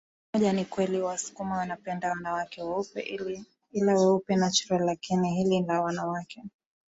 mmojaNi kweli wasukuma wanapenda wanawake weupe ila weupe naturalLakini hili la wanawake